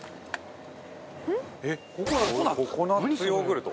齊藤：ココナッツヨーグルト。